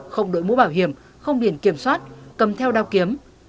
không đổi mũ bảo hiểm không điền kiểm soát cầm theo đao kiếm